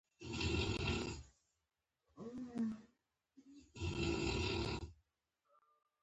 د اسلامي حکومت طلايي دوران بېرته اعاده شي.